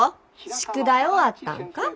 宿題終わったんか？